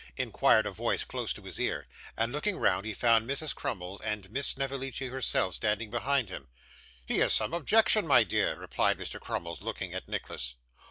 inquired a voice close to his ear; and, looking round, he found Mrs. Crummles and Miss Snevellicci herself standing behind him. 'He has some objection, my dear,' replied Mr. Crummles, looking at Nicholas.